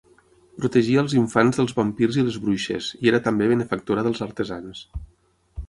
Protegia els infants dels vampirs i les bruixes, i era també benefactora dels artesans.